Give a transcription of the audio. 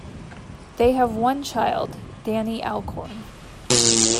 They have one child, Dani Alcorn.